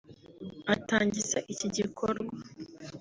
Atangiza iki gikorwa